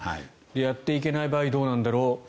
やっていけない場合どうなんだろう